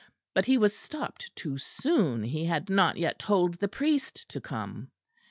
But he was stopped too soon: he had not yet told the priest to come.